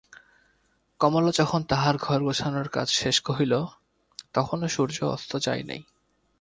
কমলা যখন তাহার ঘর-গোছানোর কাজ শেষ কহিল তখনো সূর্য অস্ত যায় নাই।